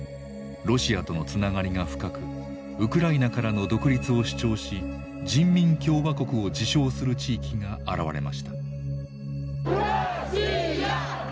ロシアとのつながりが深くウクライナからの独立を主張し人民共和国を自称する地域が現れました。